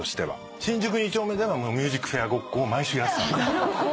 新宿二丁目では『ＭＵＳＩＣＦＡＩＲ』ごっこを毎週やってた。